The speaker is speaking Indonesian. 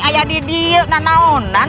ayah didi nan nan nan